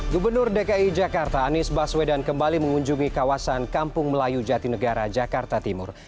gubernur dki jakarta anis baswedan kembali mengunjungi kawasan kampung melayu jati negara jakarta timur